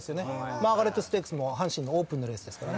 マーガレットステークスも阪神のオープンのレースですからね。